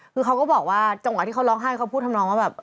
คือเขาก็บอกว่าจังหวะที่เขาร้องไห้เขาพูดทำนองว่าแบบ